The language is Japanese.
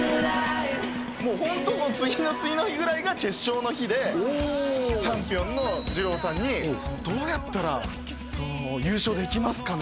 もうホントその次の次の日ぐらいが決勝の日でチャンピオンのじろうさんにどうやったらその優勝できますかね？